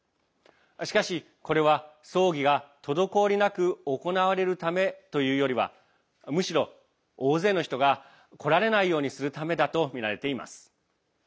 しかし、これは葬儀が滞りなく行われるためというよりはむしろ、大勢の人が来られないようにするためだとみられています。